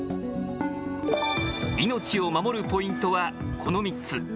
命を守るポイントはこの３つ。